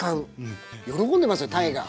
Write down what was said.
喜んでますよ鯛が。